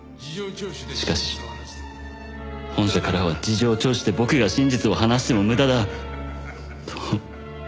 「しかし本社からは事情聴取で僕が真実を話しても無駄だと言われました」